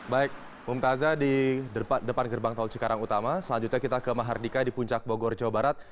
baik mumtazah di depan gerbang tol cikarang utama selanjutnya kita ke mahardika di puncak bogor jawa barat